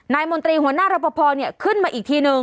นายมนตรีหัวหน้าระพะพอเนี่ยขึ้นมาอีกทีนึง